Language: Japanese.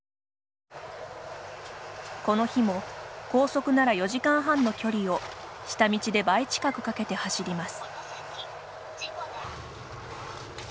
この日も高速なら４時間半の距離を下道で倍近くかけて走ります。